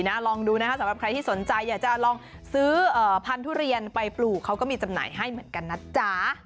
อยากจะลองซื้อพันธุเรียนไปปลูกเขาก็มีจำหน่ายให้เหมือนกันนะจ๊ะ